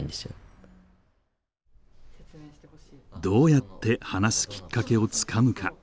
どうやって話すきっかけをつかむか。